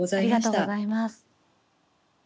ありがとうございます。